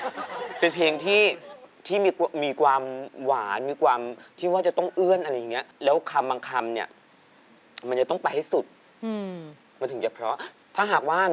เครงที่๓นี้จะเล่นหรือจะหยุดครับ